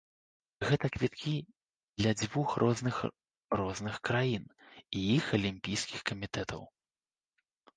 Гэта квіткі для дзвюх розных розных краін, іх алімпійскіх камітэтаў.